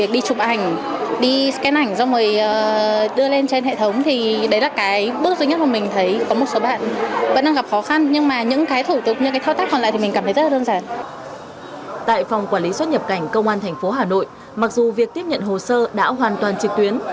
để giải quyết những khó khăn này tại phòng nộp hồ sơ lực lượng xuất nhập cảnh công an thành phố hà nội mặc dù việc tiếp nhận hồ sơ đã hoàn toàn trực tuyến